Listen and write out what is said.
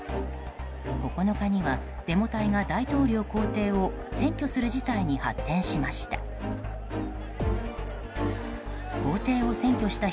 ９日にはデモ隊が大統領公邸を占拠する事態に発展しました。